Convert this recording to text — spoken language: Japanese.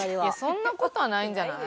そんな事はないんじゃない？